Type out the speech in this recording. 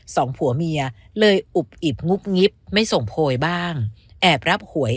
สองผัวเมียเลยอุบอิบงุบงิบไม่ส่งโพยบ้างแอบรับหวย